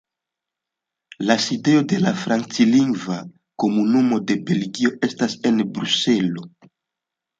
La sidejo de la Franclingva Komunumo de Belgio estas en Bruselo.